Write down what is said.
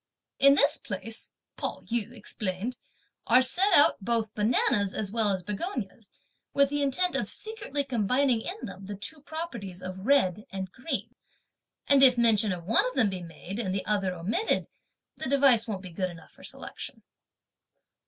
"In this place," Pao yü explained, "are set out both bananas as well as begonias, with the intent of secretly combining in them the two properties of red and green; and if mention of one of them be made, and the other be omitted, (the device) won't be good enough for selection."